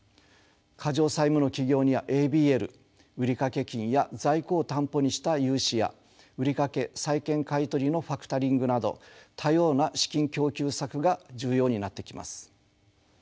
過剰債務の企業にはＡＢＬ売掛金や在庫を担保にした融資や売掛債権買い取りのファクタリングなど多様な資金供給策が重要になってきます。